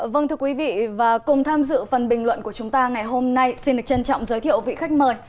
vâng thưa quý vị và cùng tham dự phần bình luận của chúng ta ngày hôm nay xin được trân trọng giới thiệu vị khách mời